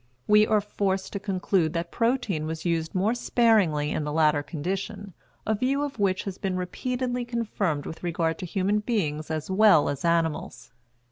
We are forced to conclude that protein was used more sparingly in the latter condition a view which has been repeatedly confirmed with regard to human beings as well as animals.